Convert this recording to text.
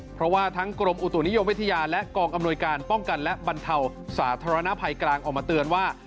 เพราะว่าทั้งกรมอุตุนิยมวิทยาและกองอำนวยการป้องกันและบรรเทาสาธารณภัยกลางออกมาเตือนว่า